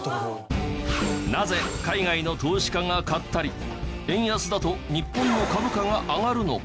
なぜ海外の投資家が買ったり円安だと日本の株価が上がるのか？